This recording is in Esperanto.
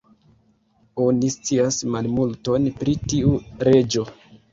Oni scias malmulton pri tiu reĝo.